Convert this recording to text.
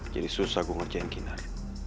jadi susah gua ngerjain kinar